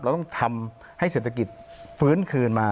เราต้องทำให้เศรษฐกิจฟื้นคืนมา